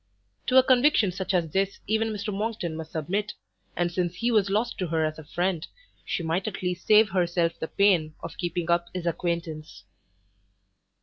To a conviction such as this even Mr Monckton must submit, and since he was lost to her as a friend, she might at least save herself the pain of keeping up his acquaintance.